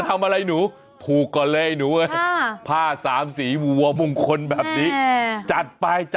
จะทำอะไรหนูผูกกัอยล่ะให้หนูเอ้ยใช่